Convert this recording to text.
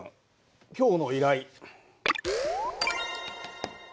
今日の依頼。